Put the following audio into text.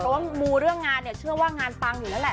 เพราะว่ามูเรื่องงานเนี่ยเชื่อว่างานปังอยู่แล้วแหละ